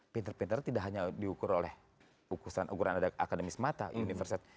pinter pinter tidak hanya diukur oleh ukuran ada akademis mata universitas